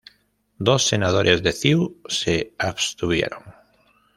Dos senadores de CiU se abstuvieron.